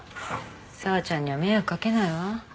紗和ちゃんには迷惑掛けないわ。